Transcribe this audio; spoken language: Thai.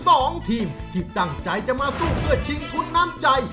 สองทีมที่ตั้งใจจะมาสู้เพื่อชิงทุนน้ำใจ